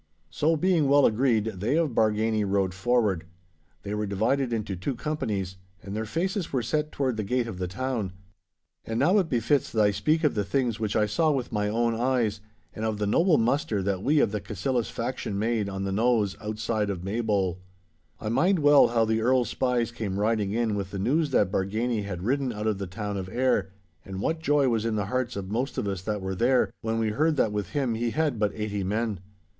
So being well agreed, they of Bargany rode forward. They were divided into two companies, and their faces were set toward the gate of the town. And now it befits that I speak of the things which I saw with my own eyes, and of the noble muster that we of the Cassillis faction made on the knowes outside of Maybole. I mind well how the Earl's spies came riding in with the news that Bargany had ridden out of the town of Ayr, and what joy was in the hearts of most of us that were there, when we heard that with him he had but eighty men.